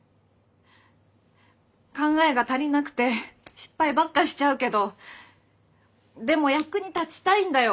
考えが足りなくて失敗ばっかしちゃうけどでも役に立ちたいんだよ。